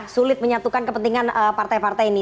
sulit menyatukan kepentingan partai partai ini